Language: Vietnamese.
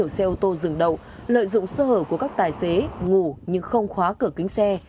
xe ô tô dừng đậu lợi dụng sơ hở của các tài xế ngủ nhưng không khóa cửa kính xe